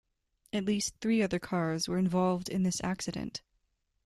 At least three other cars were involved in this accident.